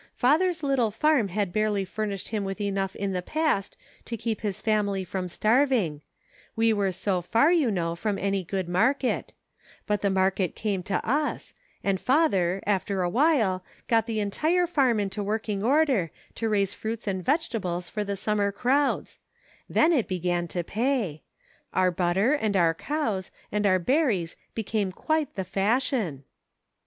Father's little farm had barely furnished him with enough in the past to keep his family from starving ; we were so far, you know, from any good market ; but the market came to us, and father, after awhile, got the entire farm into working order, to raise fruits and vegetables for the summer crowds ; then it began to pay. Our butter, and our cows, and our berries became quite the fashion."